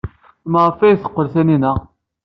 Maɣef ay d-teqqel Taninna?